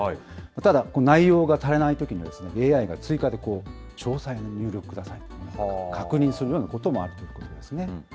ただ、内容が足らないときには、ＡＩが追加で詳細に入力くださいと確認するようなこともあるということですね。